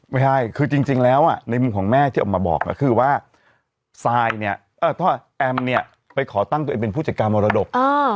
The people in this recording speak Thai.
ไม่ใช่คือจริงแล้วในมุมของแม่บอกว่าขอตั้งตัวเองเป็นผู้จัดการระดก